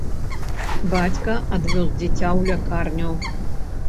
Бацька адвёз дзіця ў лякарню.